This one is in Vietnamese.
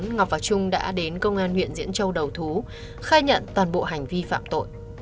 ngọc và trung đã đến công an huyện diễn châu đầu thú khai nhận toàn bộ hành vi phạm tội